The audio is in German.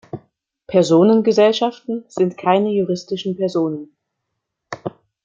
Personengesellschaften sind keine juristischen Personen.